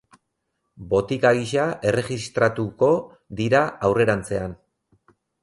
Botika gisa erregistratuko dira aurrerantzean.